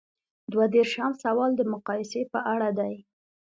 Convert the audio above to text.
دوه دیرشم سوال د مقایسې په اړه دی.